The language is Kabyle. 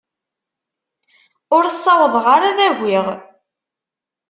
Ur ssawḍeɣ ara ad agiɣ.